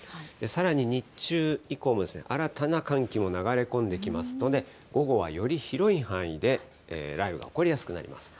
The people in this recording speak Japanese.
さらに日中以降も、新たな寒気も流れ込んできますので、午後はより広い範囲で雷雨が起こりやすくなります。